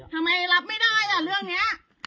ทำไมรับไม่ได้อ่ะเรื่องนี้